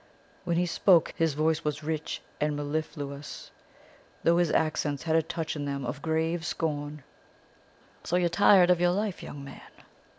When he spoke his voice was rich and mellifluous, though his accents had a touch in them of grave scorn. "'So you are tired of your life, young man!